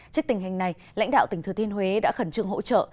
trước tình hình này lãnh đạo tỉnh thừa thiên huế đã khẩn trương hỗ trợ